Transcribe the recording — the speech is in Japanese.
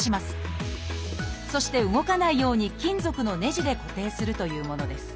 そして動かないように金属のねじで固定するというものです。